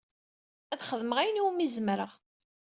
Ad xedmeɣ ayen iwimi zemreɣ.